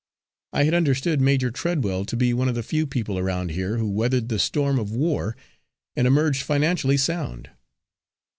"I had understood Major Treadwell to be one of the few people around here who weathered the storm of war and emerged financially sound."